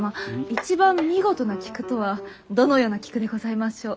一番見事な菊とはどのような菊でございましょう？